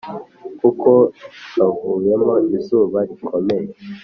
kuko kavuyemo izuba rikomeye